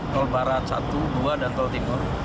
tol barat satu dua dan tol timur